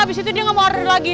abis itu dia gak mau order lagi